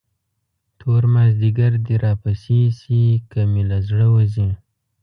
تور مازدیګر دې راپسې شي، که مې له زړه وځې.